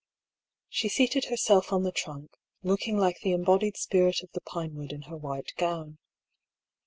She seated herself on the trunk, looking like the embodied spirit of the pinewood in her white gown.